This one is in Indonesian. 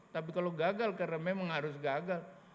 tapi kalau gagal karena memang harus gagal